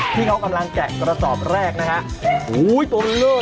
ที่เขากำลังแกะกระสอบแรกนะฮะ